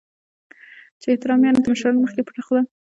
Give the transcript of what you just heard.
چې احترام یعنې د مشرانو مخکې پټه خوله .